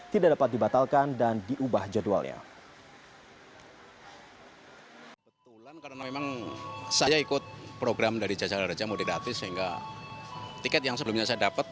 tidak dapat dibatalkan dan diubah jadwalnya